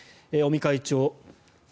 尾身会長